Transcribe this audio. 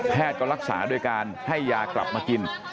ก็รักษาด้วยการให้ยากลับมากิน